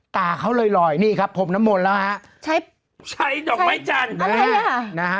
ตาเขาลอยลอยนี่ครับพรมน้ำมนต์แล้วฮะใช้ใช้ดอกไม้จันทร์นะฮะ